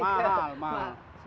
tidak semuanya bisa migrasi ke